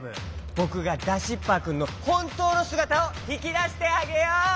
ぼくがダシッパーくんのほんとうのすがたをひきだしてあげよう！